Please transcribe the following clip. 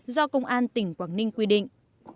do công an tỉnh quảng ninh quy định